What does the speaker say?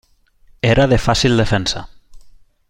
Era de fàcil defensa.